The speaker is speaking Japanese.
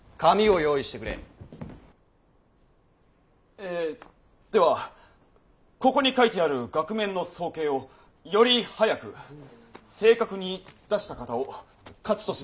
えではここに書いてある額面の総計をより早く正確に出した方を勝ちとします。